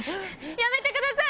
やめてください。